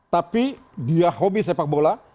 tapi dia hobi sepak bola